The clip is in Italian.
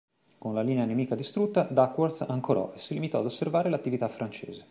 Con la linea nemica distrutta, Duckworth ancorò e si limitò ad osservare l'attività francese.